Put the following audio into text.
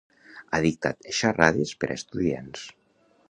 Ha dictat xarrades per a estudiants.